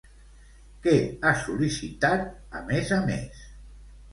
Què ha sol·licitat, a més a més?